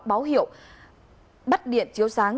báo hiệu bắt điện chiếu sáng